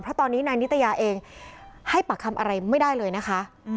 เพราะตอนนี้นายนิตยาเองให้ปากคำอะไรไม่ได้เลยนะคะ